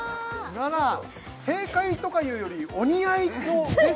正解とかいうよりお似合い！